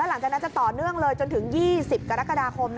หลังจากนั้นจะต่อเนื่องเลยจนถึง๒๐กรกฎาคม